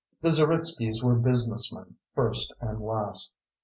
The Zeritskys were businessmen, first and last.